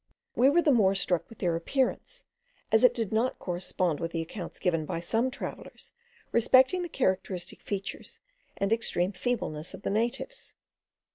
We were the more struck with their appearance, as it did not correspond with the accounts given by some travellers respecting the characteristic features and extreme feebleness of the natives.